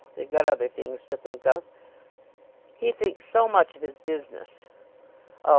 They've got other things to think of." "He thinks so much of his business." "Oh!